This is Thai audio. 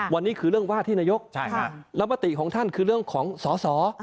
วันนี้คือเรื่องว่าที่นายกแล้วมติของท่านคือเรื่องของสอสอ